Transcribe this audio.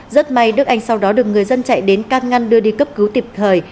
rất may đức anh sau đó được người dân chạy đến can ngăn đưa đi cấp cứu kịp thời